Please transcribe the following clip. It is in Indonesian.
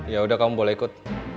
yaudah kamu boleh ikut